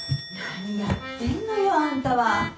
何やってんのよあんたは。